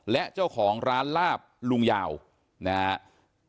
และเจ้าของร้านลาบลุงยาวนะครับ